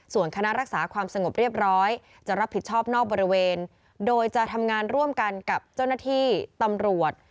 ส่วนคณะรักษาความสงบเรียบร้อยจะรับผิดชอบนอกบริเวณโดยจะทำงานร่วมกันกับเจ้าหน้าที่ตำรวจ